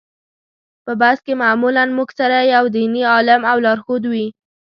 په بس کې معمولا موږ سره یو دیني عالم او لارښود وي.